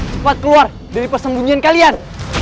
cepat keluar dari persembunyian kalian